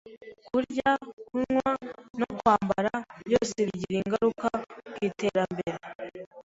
Kurya, kunywa, no kwambara, byose bigira ingaruka ku iterambere